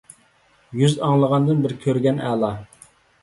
يۈز ئاڭلىغاندىن بىر كۆرگەن ئەلا.